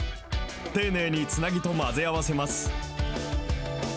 丁寧につなぎと混ぜ合わせます。